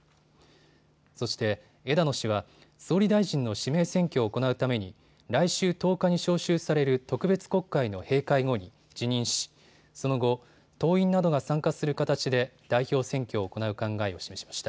そして枝野氏は総理大臣の指名選挙を行うために来週１０日に召集される特別国会の閉会後に辞任し、その後、党員などが参加する形で代表選挙を行う考えを示しました。